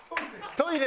トイレ。